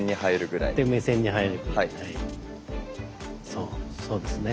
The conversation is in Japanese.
そうそうですね。